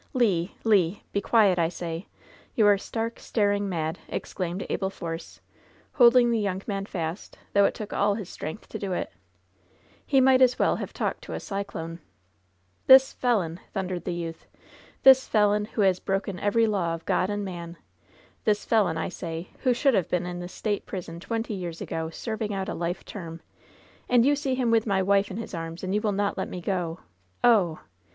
"Le! Lei be quiet, I say! You are stark, staring mad!'' exclaimed Abel Force, holding the young man fast, though it took all his strength to do it. He might as well have talked to a cyclone. "This felon !" thundered the youth — "this felon, who has broken every law of God and man! This felon, I say, who should have been in the State prison twenty years ago, serving out a life term! And you see him with my wife in his arms, and you will not let me go ! Oh!"